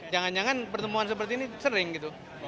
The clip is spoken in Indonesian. jangan jangan pertemuan seperti ini sering gitu